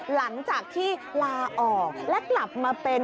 หลังจากที่ลาออกและกลับมาเป็น